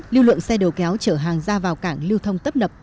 lưu lượng xe đầu kéo chở hàng ra vào cảng lưu thông tấp nập